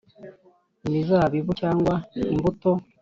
imizabibu cyangwa imbuto